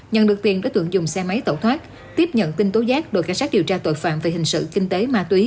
nhận được tiền đối tượng dùng xe máy tẩu thoát tiếp nhận tin tố giác đội cảnh sát điều tra tội phạm về hình sự kinh tế ma túy